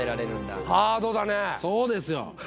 そうですよ